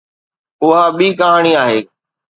اها ٻي ڪهاڻي آهي.